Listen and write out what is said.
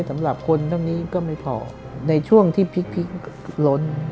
สำหรับคนเท่านี้ก็ไม่พอในช่วงที่พลิกล้น